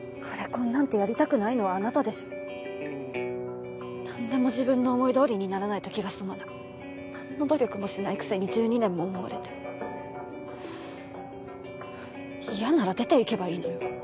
ハレ婚なんてやりたくないのはあなたでしょ何でも自分の思いどおりにならないと気が済まない何の努力もしないくせに１２年も思われて嫌なら出ていけばいいのよ